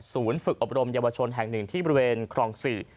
ฝึกอบรมเยาวชนแห่งหนึ่งที่บริเวณครอง๔